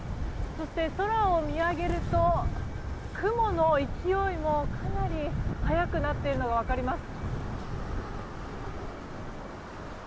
そして空を見上げると雲の勢いもかなり早くなっているのが分かります。